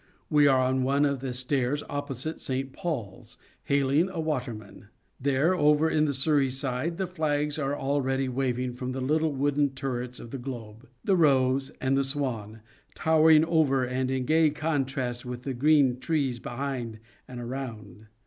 We are on one of the stairs opposite St. Paul's, hailing a waterman. There over on the Surrey side the flags are already waving from the little wooden turrets of The Globe, The Rose, and The Swan, towering over and in gay contrast with the green trees behind and around.